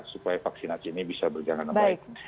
supaya vaksinasi ini bisa berjalan dengan baik